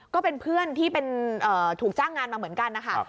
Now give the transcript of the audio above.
ก็เป็นเพื่อนที่เป็นถูกจ้างงานมาเหมือนกันนะคะ